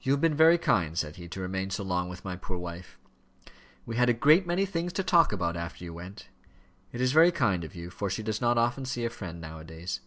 "You have been very kind," said he, "to remain so long with my poor wife." "We had a great many things to talk about, after you went." "It is very kind of you, for she does not often see a friend, now a days.